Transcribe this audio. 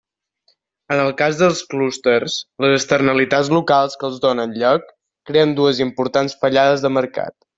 En el cas dels clústers, les externalitats locals que els donen lloc creen dues importants fallades de mercat.